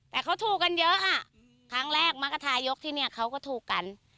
แต่เขาถูกกันเยอะค่ะครั้งแรกมักกระทายกที่เนี่ยเขาก็ถูกกัน